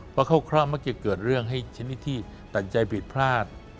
เพราะเข้าเคราะห์มักจะเกิดเรื่องให้ชนิดที่ต่างใจผิดพลาด